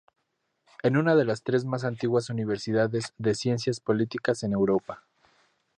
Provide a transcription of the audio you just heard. Es una de las tres más antiguas universidades de ciencias políticas en Europa.